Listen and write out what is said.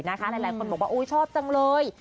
หลายคนบอกว่าชอบจังเลย